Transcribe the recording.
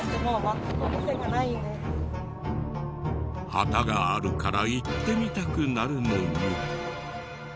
旗があるから行ってみたくなるのに。